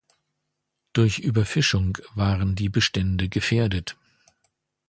Durch Überfischung waren die Bestände gefährdet.